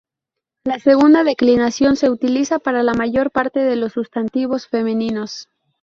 La segunda declinación se utiliza para la mayor parte de los sustantivos femeninos.